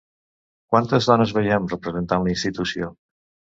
Quantes dones veiem representant la institució?